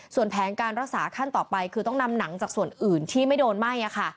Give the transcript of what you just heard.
ส่วนแผนการรักษาขั้นต่อไปคือต้องนำหนังจากส่วนอื่นที่ไม่โดนไหม้